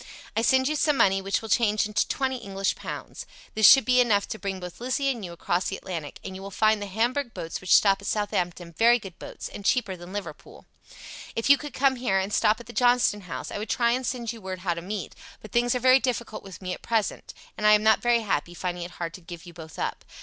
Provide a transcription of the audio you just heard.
I send you some money which will change into twenty English pounds. This should be enough to bring both Lizzie and you across the Atlantic, and you will find the Hamburg boats which stop at Southampton very good boats, and cheaper than Liverpool. If you could come here and stop at the Johnston House I would try and send you word how to meet, but things are very difficult with me at present, and I am not very happy, finding it hard to give you both up.